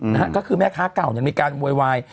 นะฮะก็คือแม่ค้าเก่าเนี่ยมีการโวยวาย